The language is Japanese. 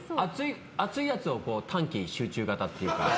熱いやつを短期集中型っていうか。